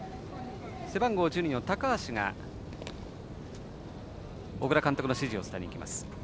背番号１２の高橋が小倉監督の指示を伝えに行きます。